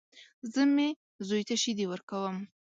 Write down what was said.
زه مې زوی ته شيدې ورکوم.